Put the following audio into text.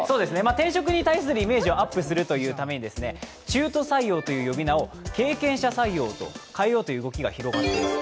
転職に対するイメージをアップさせるために中途採用という呼称を変えようという動きが広がっています。